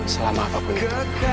selama apapun itu